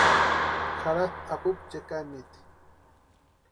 Jaratʼi apupu chekamiti.